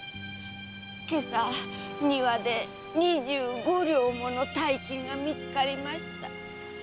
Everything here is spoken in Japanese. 今朝庭で二十五両もの大金が見つかりました。